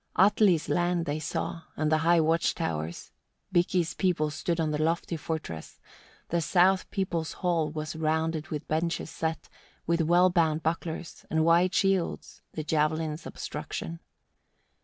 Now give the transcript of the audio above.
14. Atli's land they saw, and the high watch towers; Bikki's people stood on that lofty fortress; the south people's hall was round with benches set, with well bound bucklers, and white shields, the javelin's obstruction.